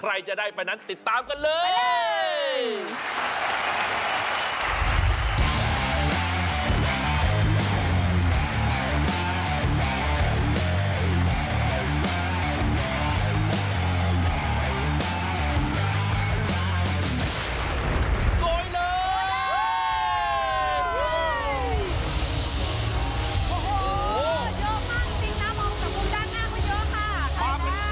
และได้ออกตรงอีสานแล้ว